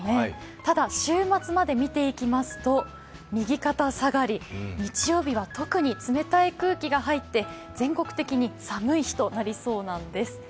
ただ、週末まで見ていきますと、右肩下がり、日曜日は特に冷たい空気が入って全国的に寒い日となりそうなんです。